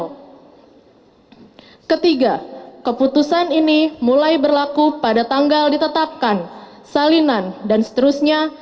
hai ketiga keputusan ini mulai berlaku pada tanggal ditetapkan salinan dan seterusnya